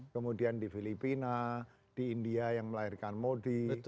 kemudian di filipina di india yang melahirkan modi